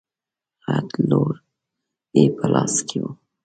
غټ لور يې په لاس کې و.